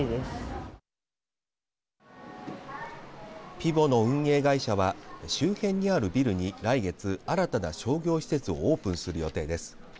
ピヴォの運営会社は周辺にあるビルに来月、新たな商業施設をオープンする予定です。